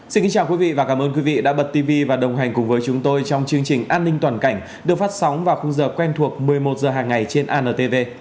xin kính chào quý vị và cảm ơn quý vị đã bật tivi và đồng hành cùng với chúng tôi trong chương trình an ninh toàn cảnh được phát sóng vào khung giờ quen thuộc một mươi một h hàng ngày trên antv